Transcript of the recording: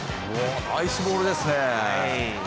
ナイスボールですね。